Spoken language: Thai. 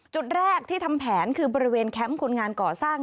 จุดแรกที่ทำแผนคือบริเวณแคมป์คนงานก่อสร้าง